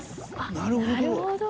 なるほど。